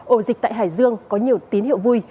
ổ dịch tại hải dương có nhiều tín hiệu vui